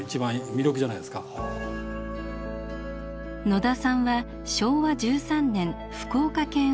野田さんは昭和１３年福岡県生まれ。